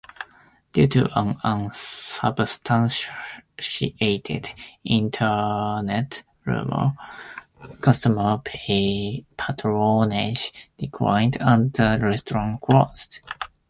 Due to an unsubstantiated internet rumor, customer patronage declined and the restaurant closed.